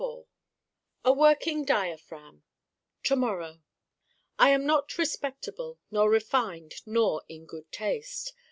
A working diaphragm To morrow I am not Respectable nor Refined nor in Good Taste.